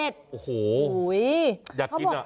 โอ้โหอยากกิน